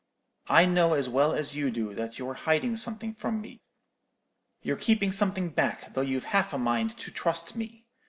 I know as well as you do that you're hiding something from me: you're keeping something back, though you've half a mind to trust me.